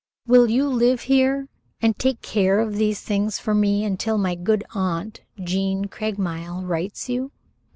Will you live here and take care of these things for me until my good aunt, Jean Craigmile, writes you?